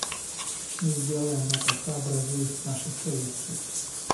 Мы сделаем это, сообразуясь с нашей совестью.